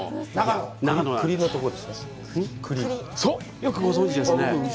よくご存じですね。